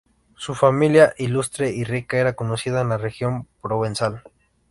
Su familia, ilustre y rica, era conocida en la región provenzal.